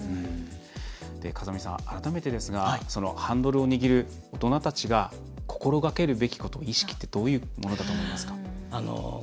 風見さん、改めてですがハンドルを握る大人たちが心がけるべきこと、意識ってどういうものだと思いますか？